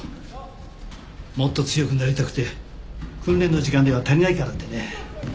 もっと強くなりたくて訓練の時間では足りないからってね。